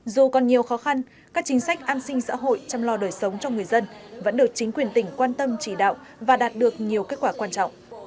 dù còn nhiều khó khăn các chính sách an sinh xã hội chăm lo đời sống cho người dân vẫn được chính quyền tỉnh quan tâm chỉ đạo và đạt được nhiều kết quả quan trọng